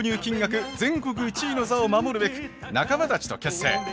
全国１位の座を守るべく仲間たちと結成。